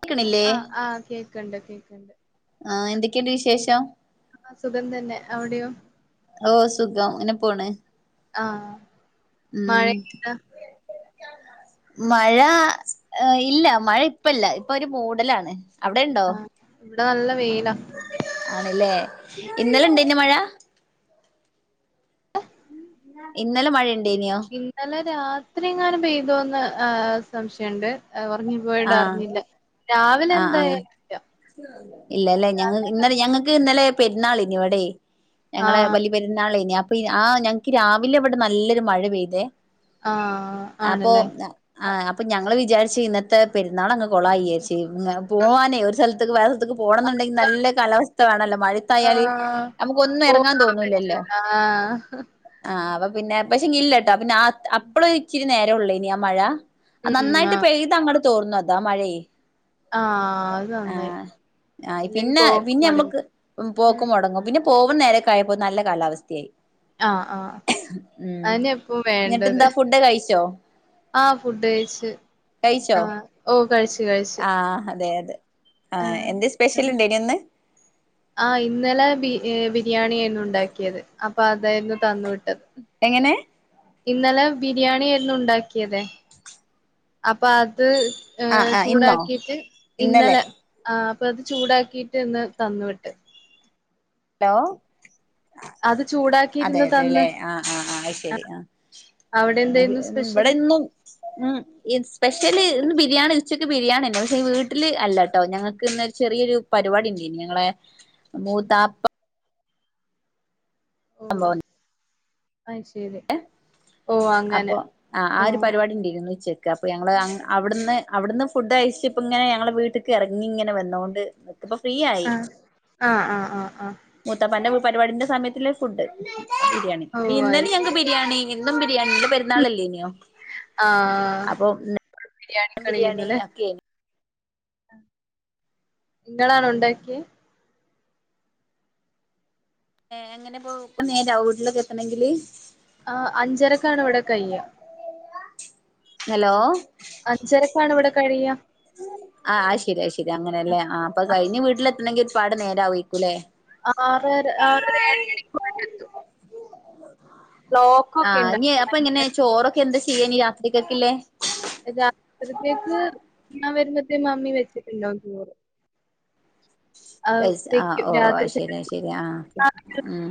കേക്കണില്ലേ ആഹ് ആഹ് കേക്ക്ണ്ട് കേക്ക്ണ്ട്. ആഹ് എന്തെക്കെണ്ട് വിശേഷം? ആഹ് സുഖംതന്നെ അവടെയോ? ഓഹ് സുഖം ങ്ങനെ പോണ്. ആഹ് ഉം മഴയൊക്കെണ്ടാ മഴ ഏഹ് ഇല്ല മഴ ഇപ്പെല്ല ഇപ്പൊരു മൂടലാണ്. അവിടെ ആഹ് ഇവടെ നല്ല വെയിലാ. ആണ്ല്ലേ ഇന്നലെ ണ്ടേന്നോ മഴ ഇന്നലെ മഴണ്ടേന്യോ? ഇന്നലെ രാത്രി ങ്ങാനും പെയ്തോന്ന് ഏഹ് സംശയണ്ട്. ഏഹ് ഓർങ്ങി ആഹ് പോയോണ്ടർഞ്ഞില്ല. ആഹ് ആഹ് ഇല്ലല്ലേ ഞങ്ങ രാവിലെയൊക്കെ ഇന്നലെ ഞങ്ങക്ക് ഇന്നലെ പെര്ന്നാളേനിവടെ ഞങ്ങളെ ആഹ് ബലിപെരുന്നാളേനി അപ്പൊ ആഹ് ഞങ്ങക്ക് രാവിലെവടെ നല്ലൊരു മഴ പെയ്തേ ആഹ് അപ്പൊ ആണല്ലേ ആഹ് അപ്പ ഞങ്ങള് വിചാര്ച്ച് ഇന്നത്തെ പെര്ന്നാളങ്ങ് കൊളായി വിയാര്ച്ച് മ് പോവാനേ ഒരു സ്ഥൽത്ത്ക്ക് വേറെ ത്ത്ക്ക് പോണന്ന്ണ്ടെങ്കി നല്ല കാലാവസ്ഥ വേണല്ലോ മഴത്തായാല് അമ്മക്കൊന്നും എറങ്ങാൻ പോകാൻ തോന്നൂല്ലല്ലോ. പറ്റൂല ആഹ് ആഹ് അപ്പൊപിന്നെ പക്ഷേ ഇല്ലാട്ടോ പിന്നെ ആ അപ്പഴ് ഇച്ചിരി നേരം ഉള്ളേനി ആ മഴ ഉം നന്നായിട്ട് ആഹ് പെയ്ത് അങ്ങട് തോർന്നു അതാ മഴയേ ആഹ് അത് നന്നായി ആഹ് ആ അല്ലെങ്കി പിന്നെ പോക്ക് മൊടങ്ങും പിന്നെമ്മക്ക് പോക്ക് ഉം മൊടങ്ങും പിന്നെ പോവുന്നനേരൊക്കായപ്പോ നല്ല കാലാവസ്ഥയി ആഹ് ആഹ് ഉം അതന്നെ ഇപ്പൊ വേണ്ടത് ന്നിട്ട്ന്താ ഫുഡ് കയിച്ചോ ആഹ് ഫുഡ് കഴിച്ച് ആഹ് ഓ കഴിച്ച് കഴിച്ച് ആഹ് അതെയതെ ആഹ് എന്ത് സ്പെഷലിണ്ടേനിന്ന് ആഹ് ഇന്നലെ ബി ബിരിയാണി ആയിരുന്നു ഉണ്ടാക്കിയത് അപ്പ അതായിരുന്നു തന്നു വിട്ടത് എങ്ങനെ ഇന്നലെ ബിരിയാണി ആയിരുന്നു ഉണ്ടാക്കിയതേ അപ്പ അത് ഏ ആ ആ ഇന്നോ ചൂടാക്കിട്ട് ഇന്നലെ ആഹ് അപ്പത് ചൂടാക്കിയിട്ട് ഇന്ന് തന്ന് വിട്ട് ഹലോ അത് ചൂടാക്കിയിരുന്ന് അതെല്ലോ ല്ലേ തന്ന് ആഹ് ആഹ് ആഹ് അയിശരി ആ അവിടെ എന്തായിരുന്നു ഇവിടെ സ്പെഷ്യല് ഇന്നും ഉം ഈ സ്പെഷ്യല് ഇന്ന് ബിരിയാണി ഉച്ചക്ക് ബിരിയാണിണ്ട് പക്ഷെ വീട്ടിൽ അല്ലട്ടോ ഞങ്ങക്ക് ഇന്നൊരു ചെറിയൊരു പരിപാടില്ലേന് ങ്ങളെ ഉം. മൂത്താപ്പ അമ്പോൻ അയിശരി അപ്പൊ ആ ആ ഒരു ആഹ് പരിപാടി ഇണ്ടേ ഇന്ന് ഉച്ച ക്ക് അപ്പൊ ഞങ്ങള് അങ്ങ് അവിടുന്ന് അവിടുന്ന് ഫുഡ് കയച്ചിപ്പ ഇങ്ങനെ ഞങ്ങള് വീട്ടിക്ക് ഇറങ്ങി ഇങ്ങനെ വന്നോണ്ട് ഇപ്പൊ ഫ്രീ ആയി ആഹ് ആഹ് ആഹ് ആഹ് ആഹ് മൂത്താപ്പാന്റെ പരിപാടിന്റെ സമയത്ത് ഇല്ലേ ഫുഡ് ബിരിയാണി ഓഹ് അത് ഇന്നലെ ശരി ഞങ്ങക്ക് ബിരിയാണി എന്നും ബിരിയാണി ഇന്ന് പെരുന്നാളല്ലേ നിയോ ആഹ് അപ്പൊ [inaudible] ബിരിയാണി ബിരിയാണിക്കറിയായിരുന്നുല്ലേ [unintelligible] ഇങ്ങളാണോ ഒണ്ടാക്കിയേ ഏഹ് എങ്ങനിപോ ഇപ്പ നേരാവുവോവീട്ടിലൊക്കെ എത്തണെങ്കില് ആഹ് അഞ്ചരക്കാണ് ഇവിടെ കൈയ്യ ഹലോ അച്ചരക്കാണ് ഇവിടെ കഴിയ ആഹ് അശരി അശരി അങ്ങനല്ലേ ആ അപ്പൊ കഴിഞ്ഞ് വീട്ടിലെത്തണെങ്കി ഒരുപാട് നേരം ആവൂവാരിക്കൂല്ലേ ആറര ആറര ഏഴണി ബ്ലോക്കൊക്കെ ആഹ് ഇനി അപ്പ ഉണ്ടാവും എങ്ങനെ ചോറൊക്കെ എന്താ ചെയ്യ ഇനി രാത്രിക്കേക്കില്ലേ രാത്രിത്തേക്ക് ഞാൻ വരുമ്പത്തേന് മാമ്മി വെച്ചിട്ടുണ്ടാകും ചോറ് അത് റൈസ് ആ വെക്കും ഓ രാത്രി അയിശരി അയിശരി ആ ക്കും ഉം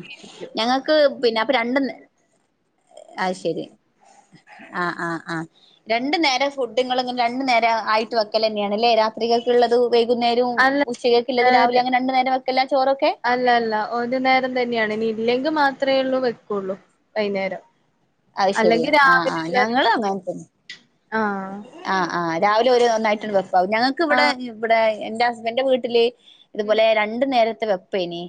ഞങ്ങ ക്ക് പിന്നെ അപ്പ രണ്ടും ആയിശരി ആഹ് ആഹ് ആഹ് രണ്ടു നേരം ഫുഡ് ഇങ്ങള് രണ്ടു നേരം ആയിട്ട് വെക്കല് തന്നെയാണ് അല്ലേ രാ ത്രികക്ക്ളളത് വൈകുന്നേരവും അല്ല ഉച്ചക്കേക്കിള്ളത് രാവിലെ ഏഹ് അങ്ങനെ രണ്ടു നേരം വെക്കല്ല ചോറൊക്കെ അല്ല അല്ല ഒരു നേരം തന്നെയാണ് ഇനി ഇല്ലെങ്കിൽ മാത്രമേ ഉള്ളൂ വെക്കുള്ളൂ വൈയ്യുന്നേരം അത്ശരി ആ ആ ഞങ്ങളും അങ്ങനെ തന്നെ ആഹ് ആഹ് ആഹ് രാവിലെ ഒരു ഒന്നായിഡ് വെപ്പാവും ഞങ്ങക്ക് ഇവിടെ ആഹ് ഇവിടെ എന്റെ ഹസ്ബൻഡിന്റെ വീട്ടില് ഉം ഇതുപോലെ രണ്ടു നേരത്തെ വെപ്പാ ഇനി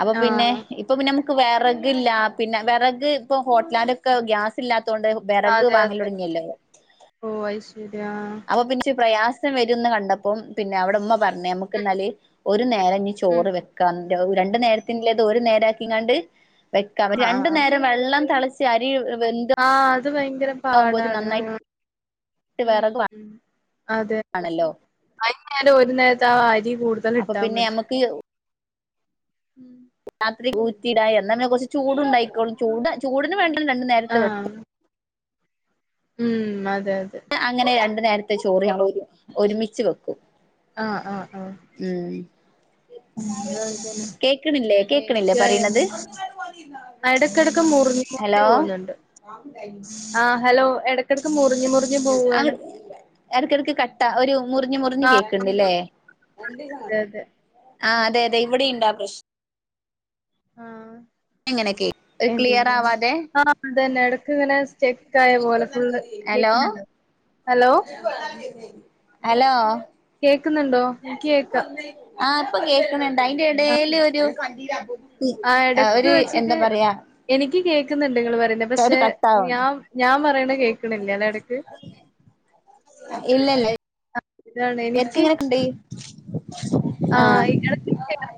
അപ്പ പിന്നെ ആഹ് ഇപ്പ പിന്നെ നമുക്ക് വിറകില്ല പിന്നെ വിറക് ഇപ്പോ ഹോട്ടലാൻഡൊക്കെ ഗ്യാസ് ഇല്ലാത്തോണ്ട് വെറക് അതെ വാങ്ങല് അതെ തൊടങ്ങിയല്ലോ ഓ അയിശെരിയാ അപ്പൊ പിന്നെ ഇച്ചിരി പ്രയാസം വരുംന്ന് കണ്ടപ്പം പിന്നെ അവിടിമ്മാ പറഞ്ഞ് ഉം നമുക്കിന്നാല് ഒരു നേരം ഇനി ഉം ചോറ് വെ ക്കാം രണ്ടു നേരത്തിനില്ലാതെ ഒരു നേരം ആക്കി ഇങ്ങാണ്ട് വെക്കാം അപ്പൊ ആഹ് രണ്ടു ആഹ് നേരം വെള്ളം തെളച്ച് അരി വെന്ത് ആഹ് അത് ഭയങ്കരം ആവുമ്പോത്തിന് പാടാണ് നന്നായിട്ട് ആഹ് ഉം വെറക് അതെ അതെ വാണല്ലോ അയിന് നേരം ഒരു നേരത്തെ ആഹ് അരി കൂടു അപ്പൊ പിന്നെ നമ്മുക്ക് ഉം എന്നാപിന്നെ കുറച്ച് ചൂടു ഉണ്ടായിക്കോളൂ ചൂട് ചൂടിന് വേണ്ടി രണ്ട് നേരത്ത് ആഹ് വെക്കും ഉം അതെ അതെ അങ്ങനെ രണ്ടു നേരത്തെ ചോറ് നമ്മൾ ഒരുമി ഒരുമിച്ച് വെക്കും ആഹ് ആഹ് ആഹ് ഉം കേക്കണില്ലേ കേക്കണില്ലേ ലേറ്റായി പറയണത് ഇടക്കെടയ്ക്ക് മുറിഞ്ഞു മുറിഞ്ഞു ഹലോ പോകുന്നുണ്ട് ആഹ് ഹലോ എട മുറിഞ്ഞു മുറിഞ്ഞു പോവാണ് എടക്കിടക്ക് കട്ട ഒരു മുറിഞ്ഞ് മുറിഞ്ഞ് ആഹ് കേക്കണ്ടില്ലേ അതെ അതെ. ആഹ് അതെ അതെ ഇവടെ ഉണ്ടാ പ്രശ്നം ആഹ്. എങ്ങനെക്കെ ഒരു ക്ലിയർ ആവാതെ ആഹ് അതന്നെ ഇടക്ക് ഇങ്ങനെ സ്റ്റക്ക് ആയ പോലെ ഫുള്ള് ഹലോ കേക്കുന്നുണ്ടോ ഹലോ ഹലോ കേക്കുന്നുണ്ടോ എനിക്ക് കേക്കാം. ആഹ് ഇപ്പൊ കേക്കണുണ്ട് അയിന്റെ ആഹ് എടേലൊരു ആഹ് എടക്ക് ഒരു എന്താ വെച്ചിട്ട് പറയാ എനിക്ക് കേൾക്കുന്നുണ്ട് നിങ്ങള് പറയുന്ന ഒരു പക്ഷെ കട്ടാവണ് ഞാൻ ഞാൻ പറയണ കേൾക്കണില്ല അല്ലേ ഇടയ്ക്ക് ഇല്ലില്ല ആഹ് ഇതാണ് എനിക്ക് എക്കങ്നുണ്ട് ആഹ് [unintelligible]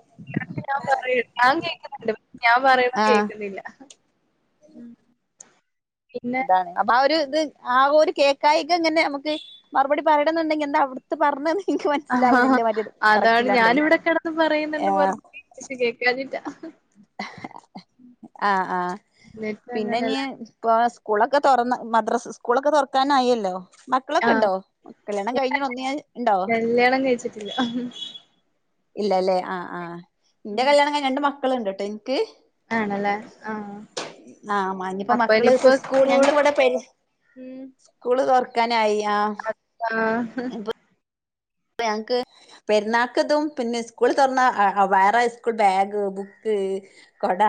ഞാൻ പറ ഞാൻ കേൾക്കുന്നുണ്ട് ഞാൻ പറയണത് ആഹ് കേൾക്കുന്നില്ല ഉം അപ്പൊ ആഹ് ഒരു ഇത് ആഹ് ഒരു കേക്കായിക ഇങ്ങനെ നമുക്ക് മറുപടി പറയണന്നുണ്ടങ്കിൽ എന്താ അവിടുത്തെ പർണത് ആഹ് അതാണ് ഞാനിവിടെക്കെടന്ന് പറയുന്നുണ്ട് ആഹ് മറു പക്ഷെ കേക്കാഞ്ഞിട്ടാ ആഹ് ആഹ് എന്നിട്ട് പിന്നെ ഇനി അങ്ങനെല്ല സ്കൂളൊക്കെ തുറന്ന മദ്രസ് സ്കൂളൊക്കെ തുറക്കാനായല്ലോ മക്കളൊക്ക ആഹ് ഉണ്ടോ കല്യാണം കഴിഞ്ഞണ് ഒന്നിയാ ഉണ്ടോ കല്യാണം കൈയ്ച്ചി ട്ടില്ല ഇല്ല അല്ലേ ആഹ് ആഹ് എന്റെ ഉം കല്യാണം കൈയ്ഞ്ഞ് രണ്ട് മക്കള്ണ്ട് ട്ടോ എനിക്ക് ആണല്ലേ ആഹ് ആഹ് മാ ഇഞ്ഞിയിപ്പോ അപ്പൊ മക്കള് ഇനിയിപ്പോ സ്കൂൾ ഞങ്ങക്ക് സ്കൂള് ഇവിടെ പരിചയ ഉം സ്കൂള് തൊറക്കാനായി ആഹ് ആഹ് ഞങ്ങക്ക് പെരുന്നാക്കതും പിന്നെ സ്കൂൾ തൊറന്ന വേറെ സ്കൂൾ ബാഗ് ബുക്ക് കൊട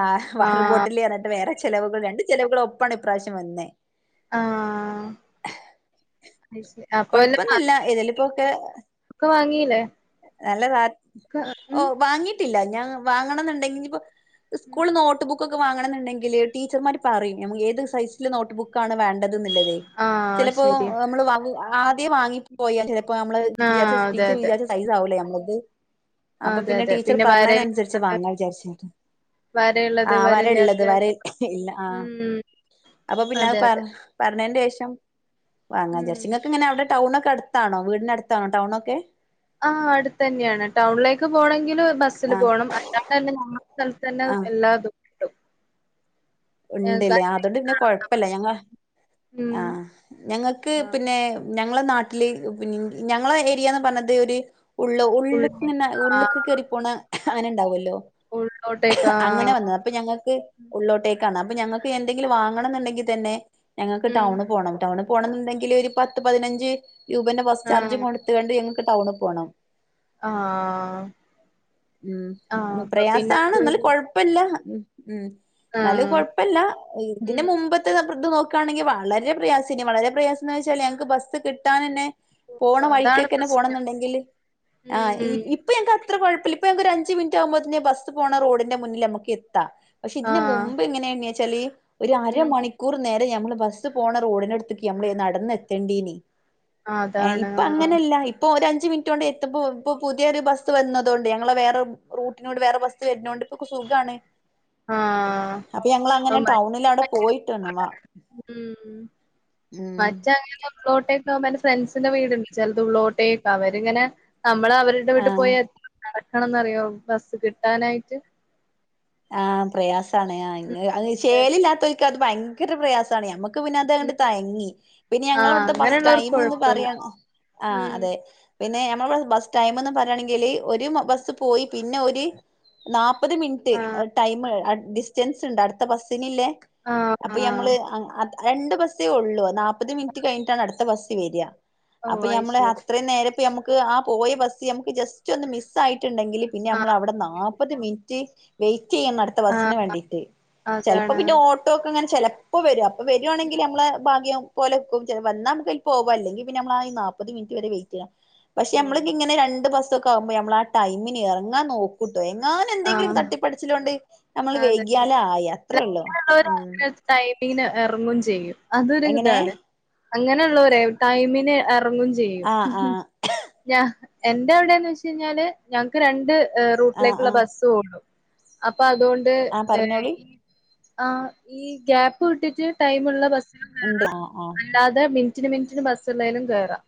വാട്ടർ ആഹ് ബോട്ടിൽ പറഞ്ഞിട്ട് വേറെ ചെിലവുകൾ രണ്ട് ചെിലവുകൾ ഒപ്പാണ് ഇപ്രാവശ്യം വന്നേ ആഹ് അത് ശരി അപ്പൊ വല്ല കൊഴപ്പൊന്നുല്ല ഏതലിപ്പോക്കെ ഒക്കെ വാങ്ങീല്ലേ നല്ലത ക്ക് ഓ ഉം വാങ്ങിട്ടില്ല ഞാൻ വാങ്ങണം എന്നുണ്ടെങ്കി ഇപ്പോ സ്കൂൾ നോട്ട്ബുക്ക് ബുക്കൊക്കെ വാങ്ങണമുണ്ടെങ്കിൽ ടീച്ചർമാർ പറയും നമുക്ക് ഏത് സൈസില് നോട്ട്ുക്കാണ് വേണ്ടതെന്ന ള്ളത് ആഹ് ചിലപ്പോ ശരി നമ്മള് ആദ്യം വാങ്ങി പോയാൽ ഇപ്പൊ നമ്മള് വിചാരിച്ച ആഹ് അതെ ടീച്ചറ് അതെ വിചാരിച്ച സൈസ് ആവൂല്ലേ നമ്മള്ക്ക് അപ്പൊ അതെ പിന്നെ അതെ ടീച്ചർ വര പറഞ്ഞതിനനുസരിച്ച് വാങ്ങാ വിചാരിച്ച വരയുള്ളത് ആഹ് വര ള്ളത് വര വരയില്ലാത്ത ഇ ഇല്ല ആഹ് ഉം അപ്പൊ പിന്നെ അത് അതെ അതെ പറഞ്ഞ പറഞ്ഞന്റേഷം വാങ്ങാന്ന് വിചാരിച്ച് ഉം നിങ്ങക്കിങ്ങനെ അവിടെ ടൗണെക്ക അടുത്താണോ വീടിനടുത്താണോ ടൗണൊക്കെ ആഹ് അടുത്തന്നെയാണ് ടൗണിലേക്ക് പോണങ്കില് ബസ്സില് ആഹ് പോണം അല്ലാണ്ട ന്നെ ഞമ്മ സ്ഥലത്തന്നെ ആഹ് എല്ലാതും ഞങ്ങക്ക് ഉണ്ടില്ലേ അതുകൊണ്ട് അയിനായിട്ട് പിന്നെ നടന്നാ കൊഴപ്പല്ല മതി. ഞങ്ങ ഉം ആഹ് ഞങ്ങൾക്ക് ആഹ് പിന്നെ ഞങ്ങളെ നാട്ടില് ഉം പി ഞങ്ങളെ ഏരിയാന്ന് പറഞ്ഞത് ഒരു ഉള്ള് ഉള്ള് ഉള്ളോ ഇങ്ങനെ ഉള്ള്ക്ക് ആഹ് കേറി പോണ അങ്ങനെ ഉണ്ടാവോല്ലോ ഉള്ളോട്ടേക്കാ അങ്ങനെ വന്നത് അപ്പൊ ഞങ്ങക്ക് ഉള്ളോട്ടേ ക്കാണാ അപ്പ ഞൾക്ക് എന്തെങ്കിലും വാങ്ങണംന്നുണ്ടെങ്കി തന്നെ ഞങ്ങക്ക് ഉം ടൗണി പോണം ടൗണ് പോണം ന്നുണ്ടെങ്കില് ഒരു പത്ത് പതിനഞ്ച് രൂപേന്റെ ബസ് ചാർജ് ആഹ് കൊടുത്തു കൊണ്ട് ഞങ്ങക്ക് ടൗണി പോണം ആഹ് ആഹ് ഊം അപ്പൊ പിന്നെ പ്രയാസമാണ് എന്നാലും അത് കൊഴ ല്ല ഉം ഉം എന്നാലും കൊഴ ആഹ് ഇപ്പെല്ല ഇതിന് ഉം മുമ്പത്തെ നപ്രത്ത് ഇത് നോക്കാണെങ്കി വളരെ പ്രയാസ ഇനി വളരെ പ്രയാസം എന്ന് വെച്ചാലേ ഞങ്ങക്ക് ബസ് കി കിട്ടാനന്നെ പോണ അപ്പൊ അതാണ് വഴിക്കെക്കെന്ന പോണം പ്രശ്നം എന്നുണ്ടെങ്കില് ആഹ് ഇ ഉം ഇപ്പ് ഇപ്പ ഞങ്ങക്ക് അത്ര കുഴപ്പുല്ല ഇപ്പ ഞങ്ങക്ക് ഒരു അഞ്ച് മിനിറ്റാവുമ്പോ തന്നെ ബസ് പോണ റോഡിന്റെ മുന്നിലമുക്ക് എത്താ പക്ഷെ ഇതിന് മുമ്പ് ആഹ് മുമ്പ് എങ്ങനെണെച്ചാല് ഒരു ഉം അരമണിക്കൂറ് നേര ത്തേ ഞമ്മള് ബസ് പോണ റോഡിന ടുത്തെക്ക് യമ്മള് ചെന്ന് നടന്ന എത്തേണ്ടീനി ഏഹ് അതാണ് ഇപ്പ ആഹ് അങ്ങനെല്ല ഇ ഇപ്പോ ഒര് അഞ്ച് മിനിറ്റോണ്ട് എത്തുമ്പോ ഇപ്പോ പുതിയൊര് ബസ് വന്നതുകൊണ്ട് ഞങ്ങള് വേറെ റൂട്ടിനോട് വേറെ ബസ് വരണോണ്ട് ഇപ്പൊ കു സുഖാണ് ആഹ് അപ്പ ഞങ്ങളങ്ങനെ ടൗണിലവടെ പോയിട്ടു വന്നവാ ഊം വച്ച [unintelligible] കോട്ടയത്തോവുമ്പ എൻറ ഫ്രണ്ട്സിന്റെ വീട്ണ്ട് ചെലത് ഉള്ളോട്ടേക്ക അവരി ഇങ്ങനെ നമ്മള അവര് എന്റ ആ വീട്ട് പോയാ നടക്കണംന്നറിയോ ബസ്സ് കിട്ടാനായിട്ട് ആഹ് പ്രയാസാണ് ഉം ആഹ് അത് അതെ ശേലില്ലാത്തവരിക്ക് അത് ഭയങ്കര പ്രയാസാണ് ഞമ്മ ക്ക് പിന്ന ഉം അതങ്ങട്ട് തയങ്ങി പിന്നെ ആഹ് ഞങ്ങളവിടുത്തെ ബസ് അങ്ങനെയുള്ളവർക്ക് ടൈമൊന്ന് കൊഴപ്പല്ല പറയാൻ ആഹ് ഉം അതെ പിന്നെ ഞമ്മളവട ബസ് ടൈമെന്ന് പറേണെങ്കില് ഒരു ബ ബസ്സ് പോയി പിന്നെ ഒര് നാപ്പ ഒരു മിനിറ്റ് ആഹ് ടൈമ് അ ഡിസ്റ്റൻസ് ഇണ്ട് അടുത്ത ബസ്സിനില്ലേ ആഹ് അപ്പൊ ആഹ് ഞമ്മള് അ അത് രണ്ട് ബസ്സേ ഒള്ളൂ നാപ്പത് മിനിറ്റ് കഴിഞ്ഞിട്ടാണ് അടുത്ത ബസ് വരിക ഓ അപ്പൊ ഞമ്മള് അയ്ശരി അത്രയും നേരപ്പേ നമുക്ക് ആ പോയ ബസ് നമ്മക്ക് ജസ്റ്റ് റ്റൊന്ന് മിസ് ആയിട്ടുണ്ടെങ്കില് പിന്നെ നമ്മൾ ആഹ് അവിടെ നാപ്പത് മിനിറ്റ് വെയിറ്റെയ്യണ്ണ അടു ത്തബസ്സിന് ആഹ് വേണ്ടീട്ട് ചെലപ്പോ അതാണ് പിന്നെ ഓട്ടോക്കെ അങ്ങനെ ചെലപ്പോ വരും അപ്പൊ വരുവാണെങ്കില് നമ്മള് ഭാഗ്യം പോലെക്കും ചെല വന്നാ നമുക്കിൽ പോവാ അല്ലെങ്കി പിന്നെ നമ്മളാ ആ ഈ നാപ്പത് മിനിറ്റ് വരെ വെയിറ്റ് ചെയ്യാം പക്ഷെ നമ്മളക്ക ഓഹ് ഇങ്ങെ രണ്ട് ബസ്സൊക്കെ ആവുമ്പേ നമ്മളാ ടൈമിന് ഏറങ്ങാൻനോക്കു കുട്ടു എങ്ങാനു എന്തെങ്കിലുക്ക ആഹ് തട്ടിപ്പെടച്ചിലൊണ്ട് നമ്മള് അതെ അതെ അല്ല വൈകിയാലായി അത്രേ ഉള്ളൂ അങ്ങനെയുള്ളവര് ഊം അങ്ങനെ ടൈമിങ്ങിന് എറങ്ങോം ചെയ്യും അതൊരു എങ്ങനെ ഇതാണ് അങ്ങനൊള്ളോരേയ് ടൈമിന് എറങ്ങും ചെയ്യും ആഹ് ആഹ് ഞാ എന്റെ അവിടെന്ന് വെച്ച്കഴിഞ്ഞാല് ഞങ്ങക്ക് രണ്ട് ഏഹ് ആഹ് റൂട്ടിലേക്കുള്ള ആഹ് ബസ്സ് പോകോള്ളു അപ്പ അതുകൊണ്ട് ആഹ് പറഞ്ഞോളി ആ ഈ ഗ്യാപ്പ് കിട്ടിട്ട് ടൈമുള്ള ബസ്സുക,, ഇണ്ട് ആഹ് ആഹ് അല്ലാതെ മിനിറ്റിന് മിനിറ്റിന് ബസ്സ് ഉള്ളേലും കേറാം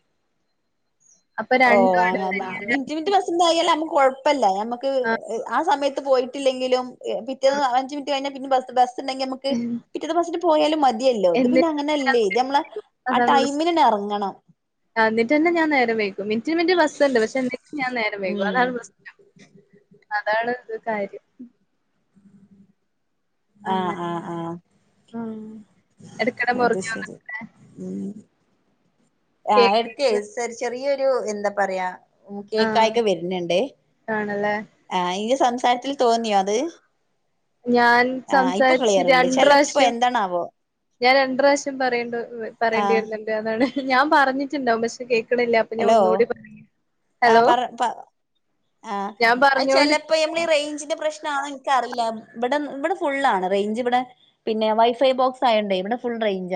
അപ്പൊ ഓ രണ്ടും അങ്ങന എടുത്തന്നെയാണ് മിനിറ്റ് മിനിറ്റ് ബസ്സെന്തായാലും നമ്മുക്ക് കൊഴപ്പെല്ല നമ്മക്ക് ആ സമയത്ത് ത്ത് പോയിട്ടില്ലെങ്കിലും പിറ്റേന്ന് അഞ്ച് മിനിറ്റ് കഴിഞ്ഞാ പിന്നെ ബസ് ബസ് ഇണ്ടെങ്കി നമക്ക് പിറ്റേത്തെ ബസ്സിന് പോയാലും മതിയല്ലോ ഇത് പിന്നെ എന്നിട്ട് അങ്ങനല്ലേ ഇത് നമ്മളെ ആ ടൈമിന്നനെ എറങ്ങണം ആ എന്നിട്ടന്നെ ഞാൻ നേരം വൈക്കും മിനിറ്റിന് മിനിറ്റിന് ബസ് ഒണ്ട് പക്ഷെ എന്നിട്ടും ഞാൻ നേരം വൈകും ഉം അതാണ് പ്രശ്നം അതാണ് ഒര് കാര്യം അങ്ങനെ ആഹ് ആഹ് ആഹ് ആഹ് എടക്കടെ അത് മുറിഞ്ഞു ശെരി വന്നിട്ട് ഉം ആ എടുക്കേ കേക്ക് സെ ചെറിയൊരു എന്താ പറയാ ഉ ആഹ് കേക്കായിക വെരുന്ന്ണ്ടേ ആണല്ലേ ആ ഈ സംസാരത്തിൽ തോന്നിയോ അത് ഞാൻ ആഹ് ഇപ്പൊ സംസാരിച്ച് ക്ലിയർണ്ട് ചെലപ്പോ രണ്ട്രാശ്യം എന്താണാവോ ഞാൻ രണ്ട്രാശ്യം പറയേണ്ടി പറയേണ്ടി ആഹ് വെരുന്നുണ്ട് അതാണ് ഞാൻ പറഞ്ഞിട്ടുണ്ടാവും പക്ഷെ കേക്കണില്ല ഹലോ ആ പറ പ്പ ഞാൻ അ പറഞ്ഞോണ്ട് ചെലപ്പോ ഇപ്പൊ നമ്മളീ റേഞ്ചിന്റെ പ്രശ്നാണോ എൻക്കറിയില്ല ഇവിടെ ഇവിടെ ഫുള്ളാണ് റേഞ്ചിവ്ടെ പിന്നെ വൈഫൈ ബോക്സായോണ്ടെ ഇവിടെ ഫുൾ റേഞ്ചാ